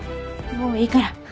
もういいから。